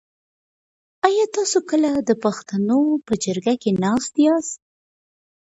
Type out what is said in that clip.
آیا تاسو کله د پښتنو په جرګه کي ناست یاست؟